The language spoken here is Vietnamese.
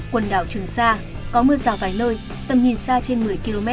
quần đảo trường sa có mưa rào vài nơi tầm nhìn xa trên một mươi km